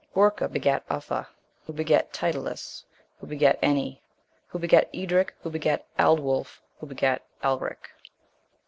Guercha begat Uffa, who begat Tytillus, who begat Eni, who begat Edric, who begat Aldwulf, who begat Elric.